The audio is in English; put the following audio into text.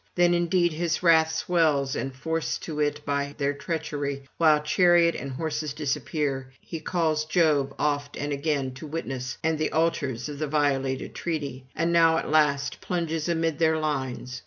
Then indeed his wrath swells; and forced to it by their treachery, while chariot and horses disappear, he calls Jove oft and again to witness, and the altars of the violated treaty, and now at last plunges amid their lines.